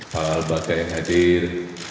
pak lembaga yang hadir